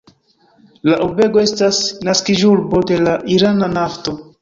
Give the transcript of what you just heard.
La urbego estas naskiĝurbo de la irana nafto.